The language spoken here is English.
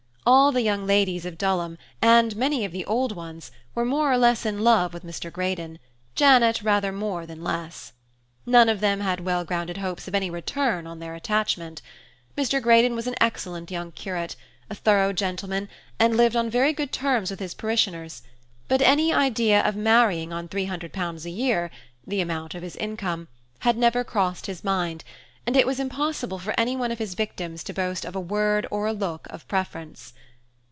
All the young ladies of Dulham, and many of the old ones, were more or less in love with Mr. Greydon, Janet rather more than less. None of them had well grounded hopes of any return to their attachment. Mr. Greydon was an excellent young curate, a thorough gentleman, and lived on very good terms with his parishioners; but any idea of marrying on £300 a year (the amount of his income) had never crossed his mind, and it was impossible for any one of his victims to boast of a word or a look of preference.